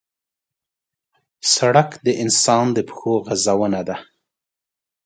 سړک د انسان د پښو غزونه ده.